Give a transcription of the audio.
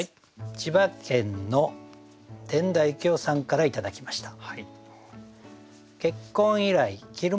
千葉県の伝田幸男さんから頂きました。